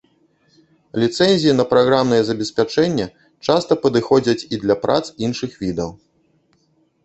Ліцэнзіі на праграмнае забеспячэнне часта падыходзяць і для прац іншых відаў.